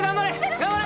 頑張れ！